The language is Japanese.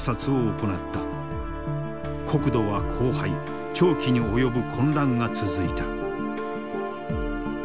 国土は荒廃長期に及ぶ混乱が続いた。